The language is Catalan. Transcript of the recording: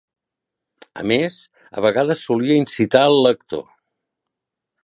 A més, a vegades solia incitar el lector.